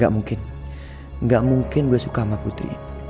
gak mungkin nggak mungkin gue suka sama putri